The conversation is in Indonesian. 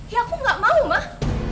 ya aku gak mau mah